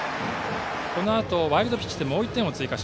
このあとワイルドピッチでもう１点追加。